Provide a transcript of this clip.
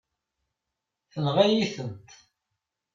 Tenɣa-yi-tent.